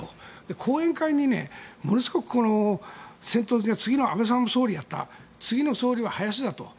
後援会にものすごく次の安倍さんが総理をやった次の総理は林だと。